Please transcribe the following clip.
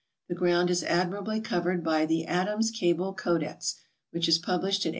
The ground is admirably covered by The Adams Gable Codex, which is published by F. O.